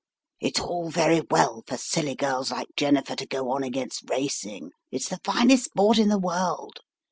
"It's all very well for silly girls like Jennifer to go on against racing. It's the finest sport in the world!"